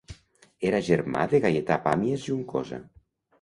Era germà de Gaietà Pàmies Juncosa.